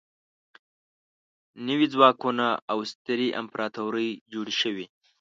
نوي ځواکونه او سترې امپراطورۍ جوړې شوې.